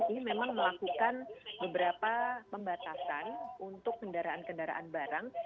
ini memang melakukan beberapa pembatasan untuk kendaraan kendaraan barang